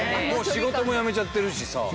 もう仕事も辞めちゃってるしさ。